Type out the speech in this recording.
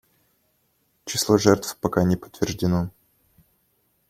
Число жертв пока не подтверждено.